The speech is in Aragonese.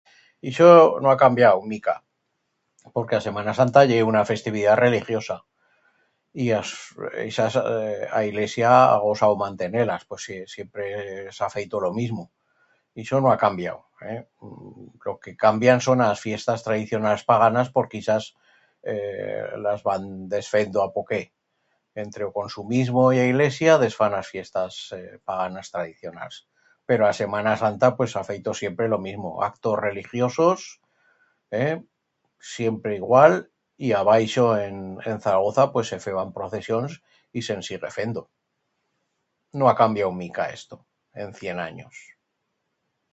Ixo no ha cambiau mica... porque a Semana Santa ye una festividat religiosa. Y as... ixas... a Ilesia ha gosau mantener-las pos.. si.. siempre s'ha s'ha feito lo mismo... ixo no ha cambiau, eh?. Lo que cambian son las fiestas tradicionals paganas porque ixas ee las van desfendo a poquet. Entre o consumismo y a Ilesia desfán las fiestas paganas tradicionals. Pero a Semana Santa pues s'ha feito siempre lo mismo. Actos religiosos, eh? siempre igual. Y abaixo en Zaragoza pues se feban procesions y se'n sigue fendo. No ha cambiau mica esto en cient anyos.